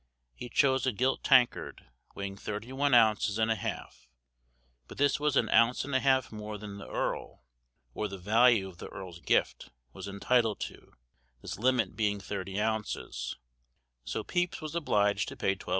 He chose a gilt tankard, weighing thirty one ounces and a half, but this was an ounce and a half more than the Earl, or the value of the Earl's gift, was entitled to, this limit being thirty ounces; so Pepys was obliged to pay 12_s.